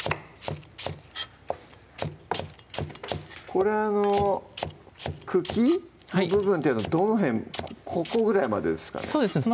これ茎の部分っていうのはどの辺ここぐらいまでですかね